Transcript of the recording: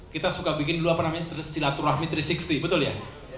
kita suka bikin silaturahmi tiga ratus enam puluh betul ya